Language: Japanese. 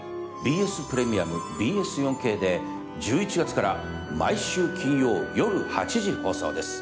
ＢＳプレミアム、ＢＳ４Ｋで１１月から毎週金曜夜８時放送です。